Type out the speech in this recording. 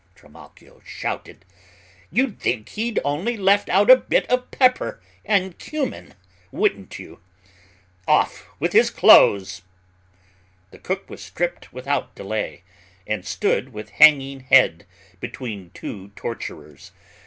Trimalchio shouted, "You'd think he'd only left out a bit of pepper and cummin, wouldn't you? Off with his clothes!" The cook was stripped without delay, and stood with hanging head, between two torturers.